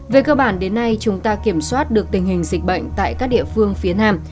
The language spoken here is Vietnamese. về cơ bản đến nay chúng ta kiểm soát được tình hình dịch bệnh tại các địa phương phía nam